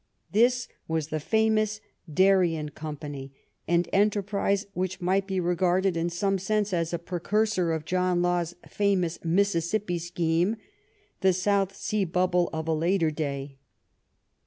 This was the famous Darien Company, an enterprise which might be regarded in some sense as a precursor of John Law^s famous Mis sissippi scheme, the South Sea Bubble of a later day.